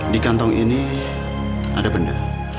di kantong ini ada benda